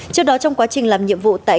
trước đó trong quá trình làm nhiệm vụ tại